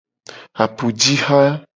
Apujiha.